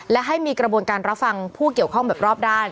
และให้มีกระบวนการรับฟังผู้เกี่ยวข้องแบบรอบด้าน